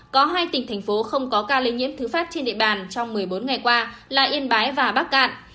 có hai tỉnh thành phố không có ca lây nhiễm thứ phát trên địa bàn trong một mươi bốn ngày qua là yên bái và bắc cạn